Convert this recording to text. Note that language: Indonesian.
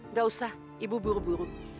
nggak usah ibu buru